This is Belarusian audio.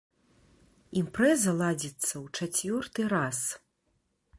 Імпрэза ладзіцца ў чацвёрты раз.